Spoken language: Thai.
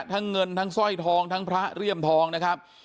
ทั้งเงินทั้งสร้อยทองทั้งพระเลี่ยมทองนะครับ